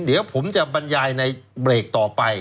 เดี๋ยวผมจะบรรยายในเบรกต่อไป